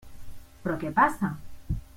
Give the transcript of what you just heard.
Però què passa?